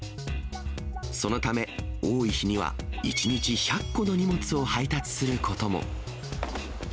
そのため、多い日には１日１００個の荷物を配達することも。